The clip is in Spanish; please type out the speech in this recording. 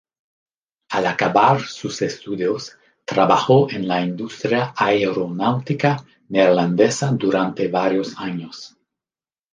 Al acabar sus estudios, trabajó en la industria aeronáutica neerlandesa durante varios años.